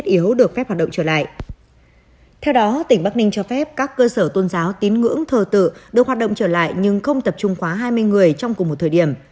theo đó tỉnh bắc ninh cho phép các cơ sở tôn giáo tín ngưỡng thờ tự được hoạt động trở lại nhưng không tập trung quá hai mươi người trong cùng một thời điểm